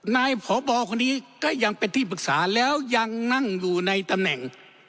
นายพบคนนี้ก็ยังเป็นที่ปรึกษาแล้วยังนั่งอยู่ในตำแหน่ง